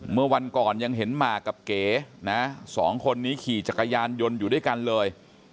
เมื่อวันก่อนยังเห็นหมากกับเก๋นะสองคนนี้ขี่จักรยานยนต์อยู่ด้วยกันเลย